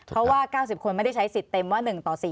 เพราะว่า๙๐คนไม่ได้ใช้สิทธิ์เต็มว่า๑ต่อ๔